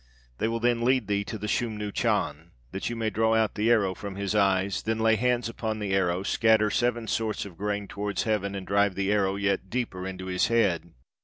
They will then lead thee to the Schumnu Chan, that you may draw out the arrow from his eyes; then lay hands upon the arrow, scatter seven sorts of grain towards heaven, and drive the arrow yet deeper into his head.'